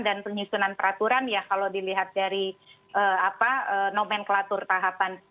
dan misalkan disenan peraturan ya kalau dilihat dari nomenklatur tahapan